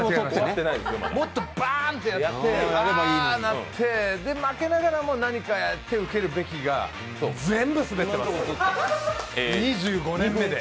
もっとバーンってやってあってなってで、負けながらも何か手をつけるべきが全部スベってます、２５年目で。